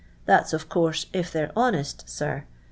That 's, of course, if they *re honest, sir.